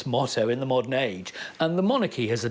มันกลับมาเป็นออกค้า